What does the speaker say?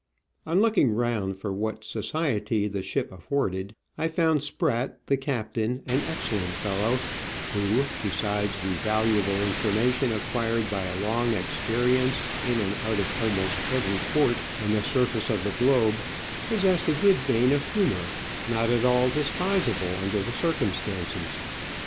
On looking round for what society the ship af forded I found Spratt, the captain, an excellent fellow, who, besides the valuable information acquired by a long experience in and out of almost every port on the surface of the globe, possessed a good vein of humour — not at all despisable under the circum stances.